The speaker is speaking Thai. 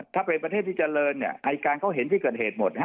ถ้าเป็นประเทศที่เจริญเนี่ยอายการเขาเห็นที่เกิดเหตุหมดฮะ